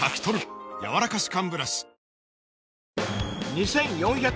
２４００